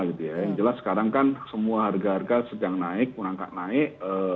yang jelas sekarang kan semua harga harga sedang naik merangkak naik